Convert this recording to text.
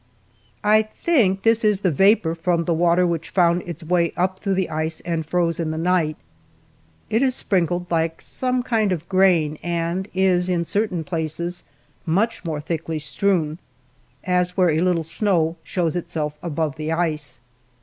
... I think this is the vapor from the water which found its way up through the ice, and froze in the night. It is sprinkled like some kind of grain, and is in certain places much more thickly strewn, as where a little snow shows itself above the ice.